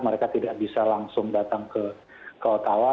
mereka tidak bisa langsung datang ke ottawa